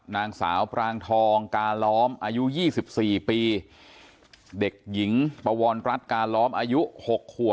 นางสาวศูกร